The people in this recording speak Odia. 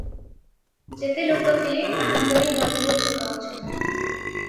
ଯେତେ ଲୋକ ଥିଲେ, ଆନନ୍ଦରେ ହରିବୋଲ ପକାଉଛନ୍ତି ।